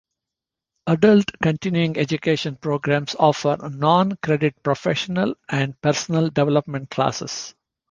Adult continuing education programs offer non-credit professional and personal development classes.